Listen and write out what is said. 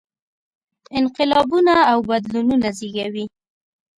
انقلابونه او بدلونونه زېږوي.